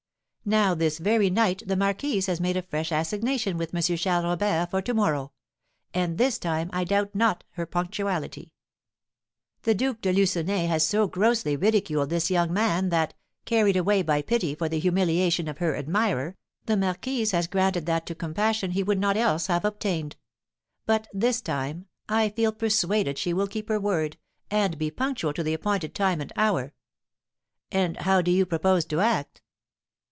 Now this very night the marquise has made a fresh assignation with M. Charles Robert for to morrow, and this time I doubt not her punctuality; the Duke de Lucenay has so grossly ridiculed this young man that, carried away by pity for the humiliation of her admirer, the marquise has granted that to compassion he would not else have obtained. But this time, I feel persuaded she will keep her word, and be punctual to the appointed time and hour." "And how do you propose to act?"